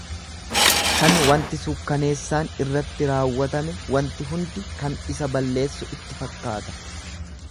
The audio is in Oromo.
Kan wanti suukanneessaan irratti raawwatame wanti hundi kan isa balleessu itti fakkaata.